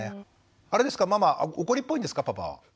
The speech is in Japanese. あれですかママ怒りっぽいんですかパパは。